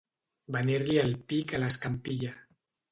Venir-li el pic a l'escampilla.